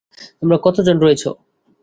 তোমরা কতজন রয়েছো?